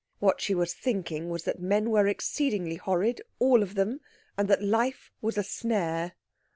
What she was thinking was that men were exceedingly horrid, all of them, and that life was a snare.